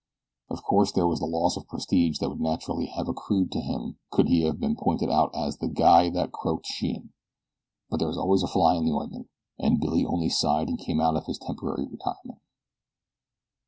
Of course there was the loss of prestige that would naturally have accrued to him could he have been pointed out as the "guy that croaked Sheehan"; but there is always a fly in the ointment, and Billy only sighed and came out of his temporary retirement.